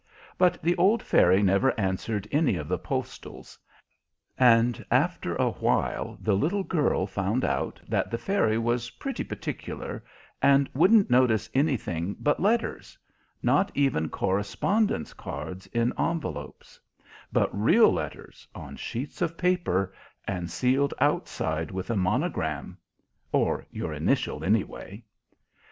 But the old fairy never answered any of the postals; and after a while the little girl found out that the Fairy was pretty particular, and wouldn't notice anything but letters not even correspondence cards in envelopes; but real letters on sheets of paper, and sealed outside with a monogram or your initial, anyway.